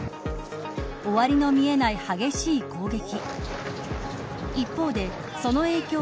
終わりの見えない激しい攻撃。